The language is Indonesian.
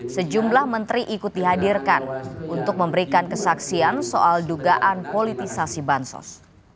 sejumlah menteri ikut dihadirkan untuk memberikan kesaksian soal dugaan politisasi bansos